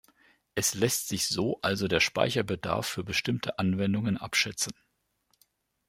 Es lässt sich so also der Speicherbedarf für bestimmte Anwendungen abschätzen.